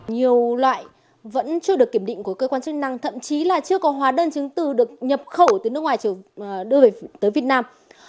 nhiều loại vẫn chưa được kiểm định của cơ quan chức năng thậm chí là chưa có hóa đơn chứng từ được nhập khẩu từ nước ngoài đưa về tới việt nam